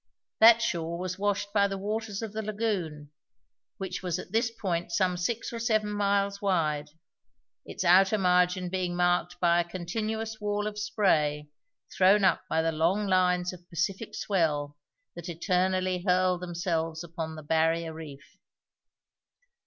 That shore was washed by the waters of the lagoon, which was at this point some six or seven miles wide, its outer margin being marked by a continuous wall of spray thrown up by the long lines of Pacific swell that eternally hurled themselves upon the barrier reef.